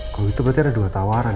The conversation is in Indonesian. kalau itu berarti ada dua tawaran